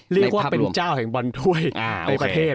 เรียกว่าเป็นเจ้าแห่งบอลถ้วยในประเทศ